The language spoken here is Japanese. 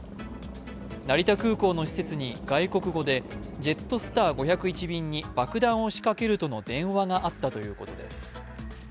成田空港の施設に外国語でジェットスター５０１便に爆弾を仕掛けるとの電話があったということです。